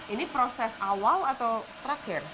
ini proses awal atau terakhir